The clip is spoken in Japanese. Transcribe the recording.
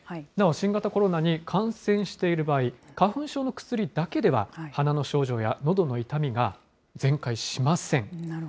なお新型コロナに感染している場合、花粉症の薬だけでは鼻の症状やのどの痛みが全快しません。